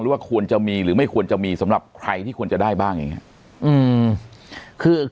ว่าควรจะมีหรือไม่ควรจะมีสำหรับใครที่ควรจะได้บ้างอย่างนี้